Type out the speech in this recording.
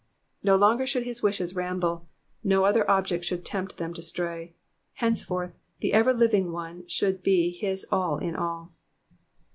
''^ No longer should his wishes ramble, no other object should tempt them to stray ; henceforth, the Everliving One should be his all in all.